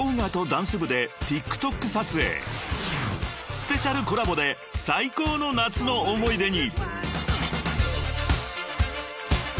［スペシャルコラボで最高の夏の思い出に！］